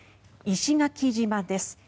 石垣島です。